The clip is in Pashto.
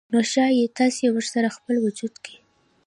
نو ښايي تاسې ورسره خپل وجود کې